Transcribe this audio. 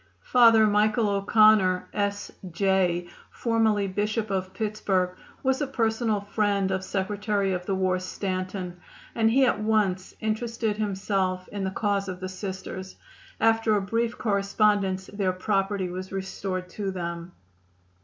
Father Michael O'Connor, S. J., formerly Bishop of Pittsburg, was a personal friend of Secretary of the War Stanton, and he at once interested himself in the cause of the Sisters. After a brief correspondence their property was restored to them.